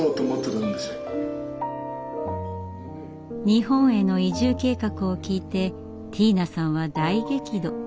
日本への移住計画を聞いてティーナさんは大激怒。